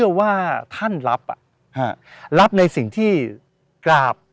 สวัสดีครับ